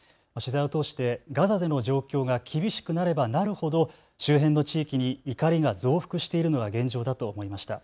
取材を通してガザでの状況が厳しくなればなるほど周辺の地域に怒りが増幅しているのが現状だと思いました。